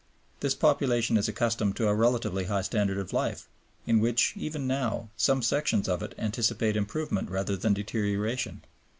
This population is accustomed to a relatively high standard of life, in which, even now, some sections of it anticipate improvement rather than deterioration.